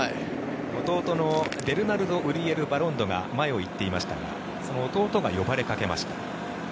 弟のベルナルド・ウリエル・バロンドが前を行っていましたがその弟が呼ばれかけました。